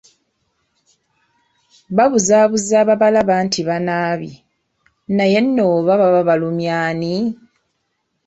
Babuzaabuza ababalaba nti banaabye, naye nno oba baba balumya ani?